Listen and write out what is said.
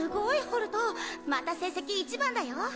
ホルトまた成績１番だよ